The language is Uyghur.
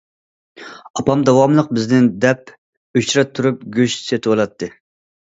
ئاپام داۋاملىق بىزنى دەپ ئۆچرەت تۇرۇپ گۆش سېتىۋالاتتى.